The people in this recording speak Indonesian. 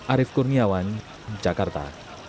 arief kurniawan jakarta